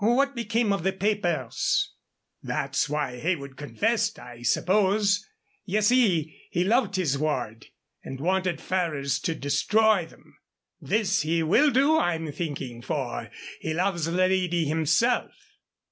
"What became of the papers?" "That's why Heywood confessed, I suppose. Ye see, he loved his ward, and wanted Ferrers to destroy them. This he will do, I'm thinking, for he loves the lady himself."